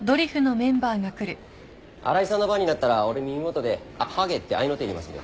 ・荒井さんの番になったら俺耳元で「あっ。はげ」って合いの手入れますんで。